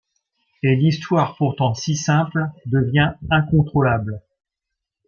Et l'histoire pourtant si simple devient incontrôlable...